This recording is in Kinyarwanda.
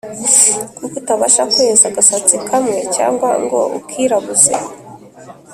kuko utabasha kweza agasatsi kamwe cyangwa ngo ukirabuze